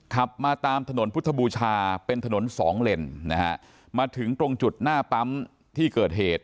ขับมาตามถนนพุทธบูชาเป็นถนนสองเลนนะฮะมาถึงตรงจุดหน้าปั๊มที่เกิดเหตุ